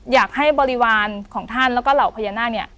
อยากให้บริวารของท่านแล้วก็เหล่าพญานาคเนี่ย